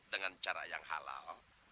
dengan cara yang halal